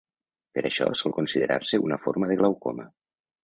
Per això sol considerar-se una forma de glaucoma.